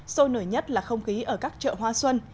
sôi nổi nhất là không khí ở các chợ hoa xuân